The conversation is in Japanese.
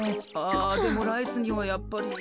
でもライスにはやっぱり。